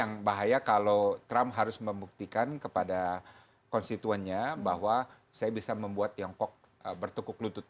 gak akan buka pintu